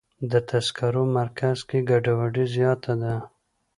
د تذکرو مرکز کې ګډوډي زیاته ده.